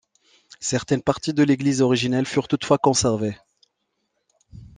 Certaines parties de l'église originelle furent toutefois conservées.